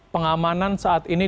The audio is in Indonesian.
pengamanan saat ini